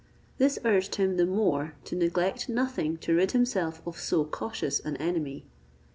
This urged him the more to neglect nothing to rid himself of so cautious an enemy.